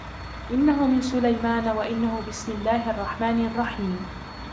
إِنَّهُ مِنْ سُلَيْمَانَ وَإِنَّهُ بِسْمِ اللَّهِ الرَّحْمَنِ الرَّحِيمِ